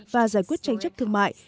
và giải quyết tranh chấp thương mại